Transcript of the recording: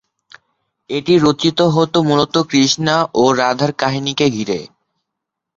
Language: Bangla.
এটি রচিত হত মূলত কৃষ্ণা ও রাধার কাহিনীকে ঘিরে।